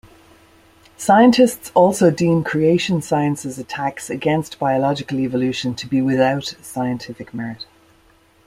Scientists also deem creation science's attacks against biological evolution to be without scientific merit.